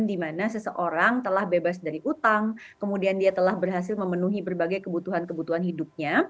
dimana seseorang telah bebas dari utang kemudian dia telah berhasil memenuhi berbagai kebutuhan kebutuhan hidupnya